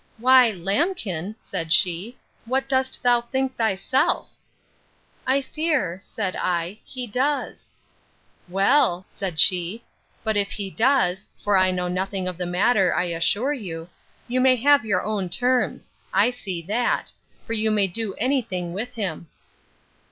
—Why, lambkin, said she, what dost thou think thyself?—I fear, said I, he does. Well, said she, but if he does, (for I know nothing of the matter, I assure you,) you may have your own terms—I see that; for you may do any thing with him.